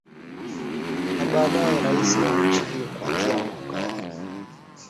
Na baadae Rais wa nchi hiyo kuanzia mwaka wa